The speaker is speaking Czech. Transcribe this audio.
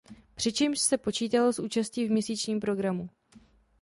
Přičemž se počítalo s účastí v měsíčním programu.